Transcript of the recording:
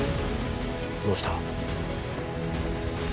どうした？